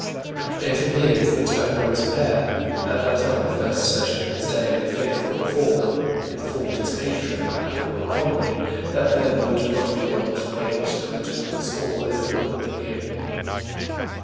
It appears that Ambrose Pare, at that time the first surgeon of his day, and a faithful Reformer, informed his patron, Admiral Coligny, that there would not be long to wait, and that it was all over with the king.